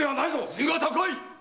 頭が高い！